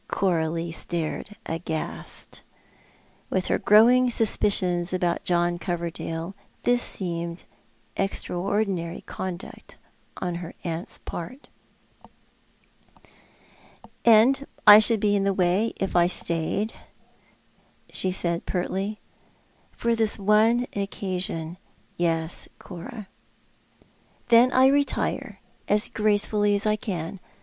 Coralie stared aghast. "With her growing suspicions about John Coverdale, this seemed extraordinary conduct on her aunt's part. "And I should be in the way if I stayed," she said pertly. " For this one occasion, yes, Cora." "Then I retire, as gracefully as I can.